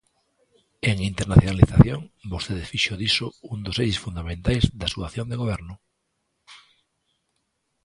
En internacionalización, vostede fixo diso un dos eixes fundamentais da súa acción de goberno.